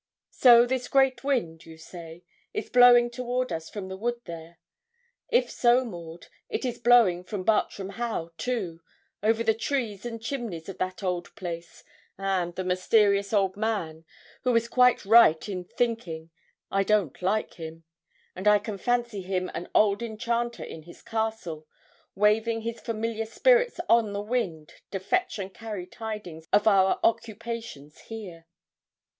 So this great wind, you say, is blowing toward us from the wood there. If so, Maud, it is blowing from Bartram Haugh, too, over the trees and chimneys of that old place, and the mysterious old man, who is quite right in thinking I don't like him; and I can fancy him an old enchanter in his castle, waving his familiar spirits on the wind to fetch and carry tidings of our occupations here.'